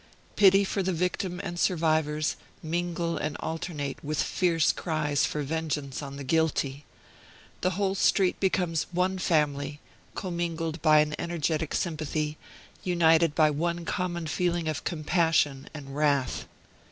Pity for the victim and survivors mingle and alternate with fierce cries for vengeance on the guilty. The whole street becomes one family, commingled by an energetic sympathy, united by one common feeling of compassion and wrath.